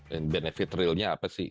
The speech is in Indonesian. dan benefit realnya apa sih